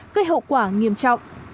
gây hậu quả nghiêm trọng